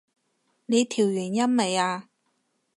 你調完音未啊？